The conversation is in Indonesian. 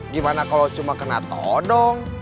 gimana kalau cuma kena todong